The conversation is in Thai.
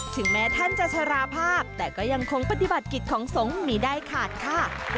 ถึงแม้ท่านจะชราภาพแต่ก็ยังคงปฏิบัติกิจของสงฆ์มีได้ขาดค่ะ